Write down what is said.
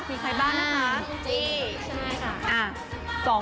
มีใครบ้างนะคะ